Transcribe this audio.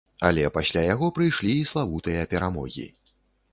Але пасля яго прыйшлі і славутыя перамогі.